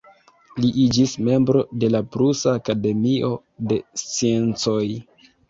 Li iĝis membro de la Prusa Akademio de Sciencoj.